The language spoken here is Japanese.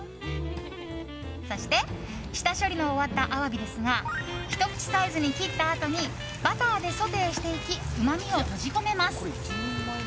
そして下処理の終わったアワビですがひと口サイズに切ったあとにバターでソテーしていきうまみを閉じ込めます。